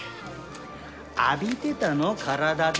浴びてたの体で。